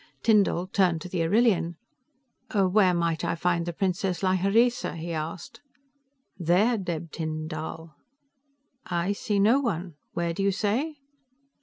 Tyndall turned to the Arrillian. "Where might I find the priestess Lhyreesa?" he asked. "There, Dheb Tyn Dall." "I see no one. Where do you say?"